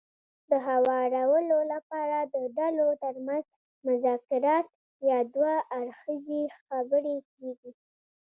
د هوارولو لپاره د ډلو ترمنځ مذاکرات يا دوه اړخیزې خبرې کېږي.